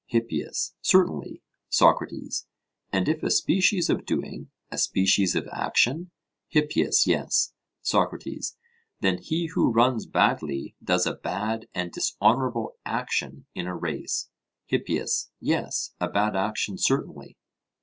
HIPPIAS: Certainly. SOCRATES: And if a species of doing, a species of action? HIPPIAS: Yes. SOCRATES: Then he who runs badly does a bad and dishonourable action in a race? HIPPIAS: Yes; a bad action, certainly.